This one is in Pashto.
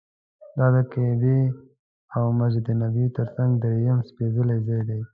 دا د کعبې او مسجد نبوي تر څنګ درېیم سپېڅلی ځای دی.